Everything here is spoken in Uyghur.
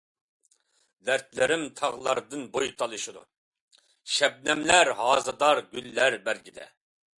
دەردلىرىم تاغلاردىن بوي تالىشىدۇ، شەبنەملەر ھازىدار گۈللەر بەرگىدە.